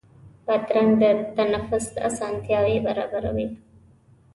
بادرنګ د تنفس اسانتیا برابروي.